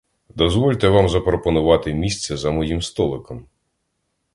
Дозвольте вам запропонувати місце за моїм столиком?